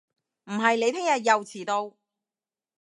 唔係你聽日又遲到